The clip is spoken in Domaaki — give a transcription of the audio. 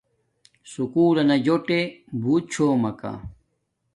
سکُول لنا جوٹے بوت چھومکا